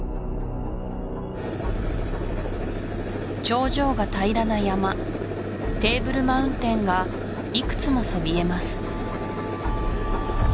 頂上が平らな山テーブルマウンテンがいくつもそびえます